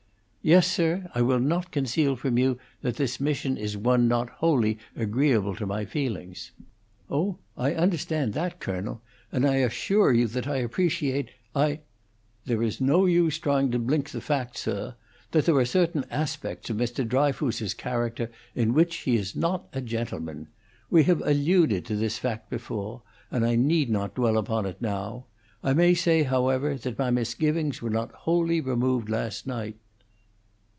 "Yes, sir. I will not conceal from you that this mission is one not wholly agreeable to my feelings." "Oh, I understand that, colonel, and I assure you that I appreciate, I " "There is no use trying to blink the fact, sir, that there are certain aspects of Mr. Dryfoos's character in which he is not a gentleman. We have alluded to this fact before, and I need not dwell upon it now: I may say, however, that my misgivings were not wholly removed last night."